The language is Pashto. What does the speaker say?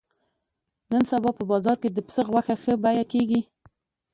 نن سبا په بازار کې د پسه غوښه ښه بیه کېږي.